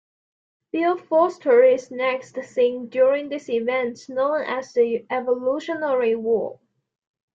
Bill Foster is next seen during the events known as the Evolutionary War.